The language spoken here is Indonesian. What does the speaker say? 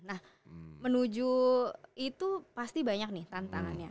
nah menuju itu pasti banyak nih tantangannya